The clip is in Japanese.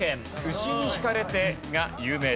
「牛にひかれて」が有名です。